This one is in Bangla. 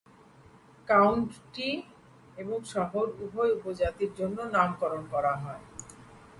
কাউন্টি এবং শহর উভয় উপজাতির জন্য নামকরণ করা হয়।